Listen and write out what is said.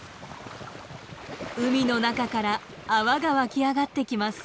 海の中から泡がわき上がってきます。